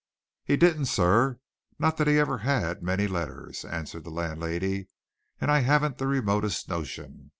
"He didn't, sir not that he ever had many letters," answered the landlady. "And I haven't the remotest notion.